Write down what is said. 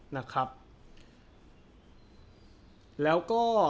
นะครับแล้วก็